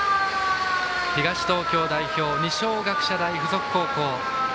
東東京代表・二松学舎大付属高校。